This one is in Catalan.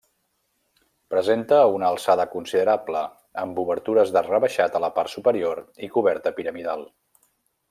Presenta una alçada considerable, amb obertures d'arc rebaixat a la part superior i coberta piramidal.